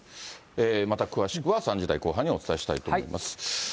また詳しくは３時台後半にお伝えしたいと思います。